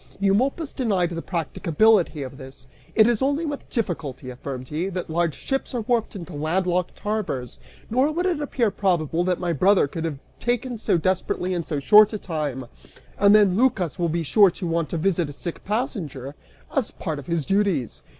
Eumolpus denied the practicability of this. "It is only with difficulty," affirmed he, "that large ships are warped into landlocked harbors, nor would it appear probable that my brother could have been taken so desperately in so short a time. And then, Lycas will be sure to want to visit a sick passenger, as part of his duties!